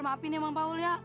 maafin ya bang paul ya